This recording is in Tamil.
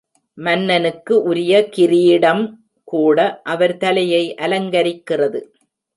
மன்னனுக்கு உரிய கிரீடம் கூட அவர் தலையை அலங்கரிக்கிறது.